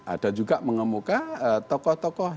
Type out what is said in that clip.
ada juga mengemuka tokoh tokoh